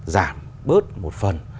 giảm bớt một phần